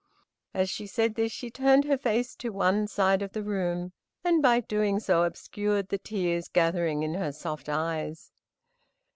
As she said this she turned her face to one side of the room, and by doing so obscured the tears gathering in her soft eyes.